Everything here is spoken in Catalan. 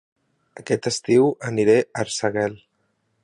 Aquest estiu aniré a Arsèguel